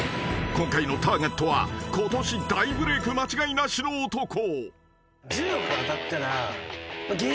［今回のターゲットはことし大ブレーク間違いなしの男］